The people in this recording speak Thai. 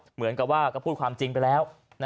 เหมือนกับว่าก็พูดความจริงไปแล้ว